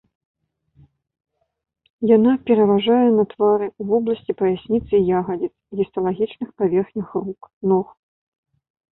Яна пераважае на твары, у вобласці паясніцы і ягадзіц, гісталагічных паверхнях рук, ног.